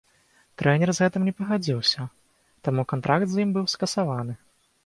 Трэнер з гэтым не пагадзіўся, таму кантракт з ім быў скасаваны.